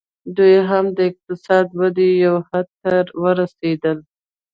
دوی هم د اقتصادي ودې یو حد ته ورسېدل